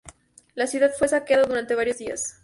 La ciudad fue saqueada durante varios días.